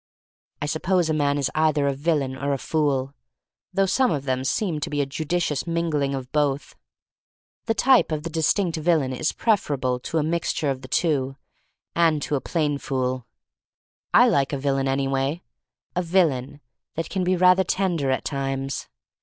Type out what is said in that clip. I suppose a man is either a villain or a fool, though some of them seem to be a judicious mingling of both. The type of the distinct villain is preferable to a mixture of the two, and to a plain fool. I like a villain anyway — a villain that can be rather tender at times.